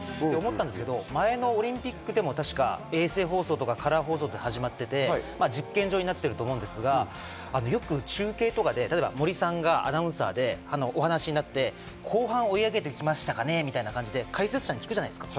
前のオリンピックでも衛星放送、カラー放送が始まっていて、よく中継とかで森さんがアナウンサーでお話になって、後半追い上げてきましたかね、みたいな感じで解説者に聞くじゃないですか。